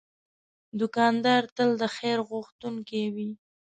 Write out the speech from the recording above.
دوکاندار تل د خیر غوښتونکی وي.